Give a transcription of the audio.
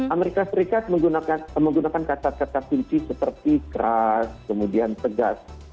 amerika serikat menggunakan kata kata kunci seperti keras kemudian tegas